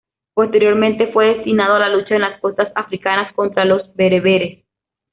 Posteriormente fue destinado a la lucha en las costas africanas contra los bereberes.